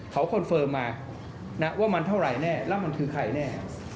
เขาคอนเฟิร์มมานะว่ามันเท่าไหร่แน่แล้วมันคือใครแน่